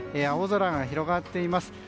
青空が広がっています。